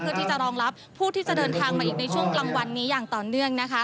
เพื่อที่จะรองรับผู้ที่จะเดินทางมาอีกในช่วงกลางวันนี้อย่างต่อเนื่องนะคะ